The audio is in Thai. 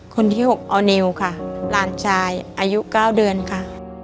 คนที่๖ออนิวค่ะหลานชายอายุ๙เดือนค่ะ